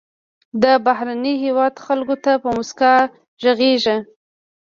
د بهرني هېواد خلکو ته په موسکا غږیږه.